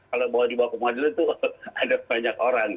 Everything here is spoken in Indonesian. pengadilan itu ada banyak orang